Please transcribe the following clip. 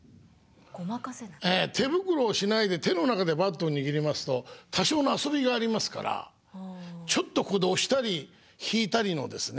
ええ手袋をしないで手の中でバットを握りますと多少の遊びがありますからちょっとここで押したり引いたりのですね。